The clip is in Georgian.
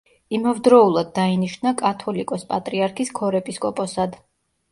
იმავდროულად დაინიშნა კათოლიკოს-პატრიარქის ქორეპისკოპოსად.